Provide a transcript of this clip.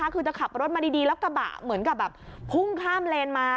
คือจะขับรถมาดีแล้วกระบะเหมือนกับแบบพุ่งข้ามเลนมา